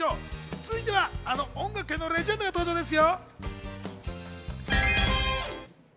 続いては、あの音楽界のレジェンドが登場ですよ。